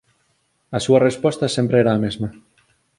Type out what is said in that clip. A súa resposta sempre era a mesma.